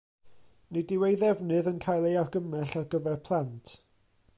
Nid yw ei ddefnydd yn cael ei argymell ar gyfer plant.